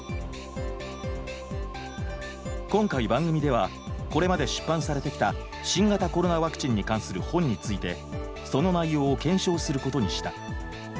今回番組ではこれまで出版されてきた新型コロナワクチンに関する本についてその内容を検証することにした。